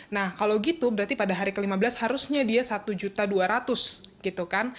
nah kalau gitu berarti pada hari ke lima belas harusnya dia satu juta dua ratus gitu kan